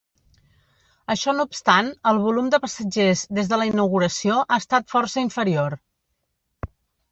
Això no obstant, el volum de passatgers des de la inauguració ha estat força inferior.